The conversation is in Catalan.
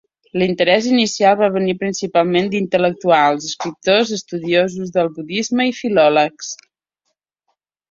L'interès inicial va venir principalment d'intel·lectuals, escriptors, estudiosos del budisme i filòlegs.